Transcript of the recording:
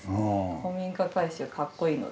古民家改修かっこいいので。